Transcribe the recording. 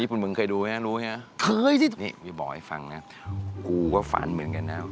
นี่บอกให้ฟังนะกูก็ฝันเหมือนกันนะ